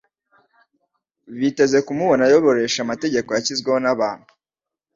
Biteze kumubona ayoboresha amategeko yashyizweho n'abantu.